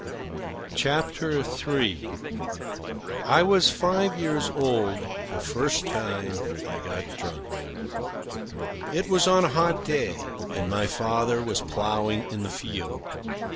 CHAPTER III I was five years old the first time I got drunk. It was on a hot day, and my father was ploughing in the field.